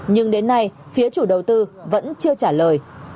nhưng đến nay phía chủ đầu tư vẫn chưa trả lời